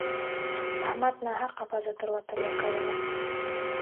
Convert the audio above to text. احمد ناحقه پزه تروه تروه کوله.